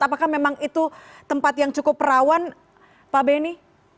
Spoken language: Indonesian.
apakah memang itu tempat yang cukup rawan pak beni